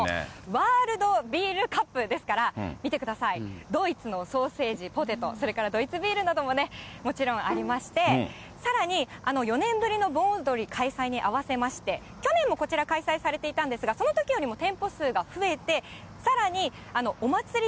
ワールドビールカップですから、見てください、ドイツのソーセージ、ポテト、それからドイツビールなどももちろんありまして、さらに４年ぶりの盆踊り開催に合わせまして、去年もこちら開催されていたんですが、そのときよりも店舗数が増えて、さらにお祭り